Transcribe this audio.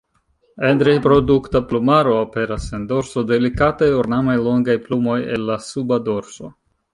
En reprodukta plumaro, aperas en dorso delikataj ornamaj longaj plumoj el la suba dorso.